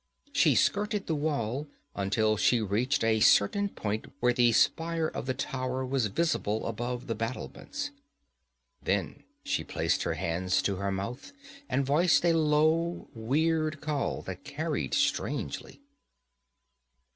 She skirted the wall until she reached a certain point where the spire of the tower was visible above the battlements. Then she placed her hands to her mouth and voiced a low weird call that carried strangely.